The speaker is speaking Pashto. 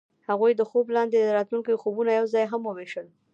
هغوی د خوب لاندې د راتلونکي خوبونه یوځای هم وویشل.